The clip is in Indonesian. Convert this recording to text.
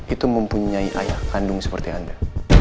itu mempunyai ayah kandung seperti anda